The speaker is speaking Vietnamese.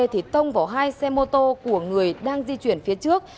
thì tông vào hai xe mô tô của người đang di chuyển phía trước